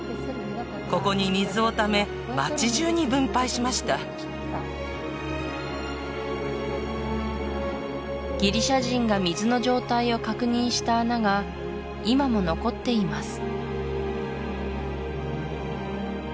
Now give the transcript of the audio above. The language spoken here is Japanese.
ここに水をため街じゅうに分配しましたギリシア人が水の状態を確認した穴が今も残っています